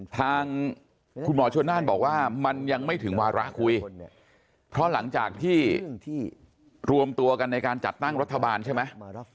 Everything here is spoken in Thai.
ทางคุณหมอชนน่านบอกว่ามันยังไม่ถึงวาระคุยเพราะหลังจากที่รวมตัวกันในการจัดตั้งรัฐบาลใช่ไหม